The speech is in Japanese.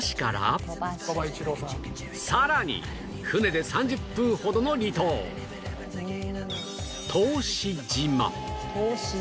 さらに船で３０分ほどの離島答志島。